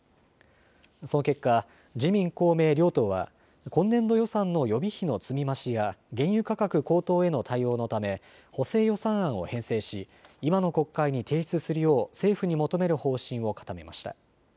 その結果、自民公明両党は今年度予算の予備費の積み増しや原油価格高騰への対応のため補正予算案を編成し、今の国会に提出するよう政府に求める方針を固めました。